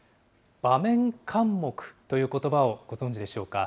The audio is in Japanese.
場面かん黙ということばをご存じでしょうか。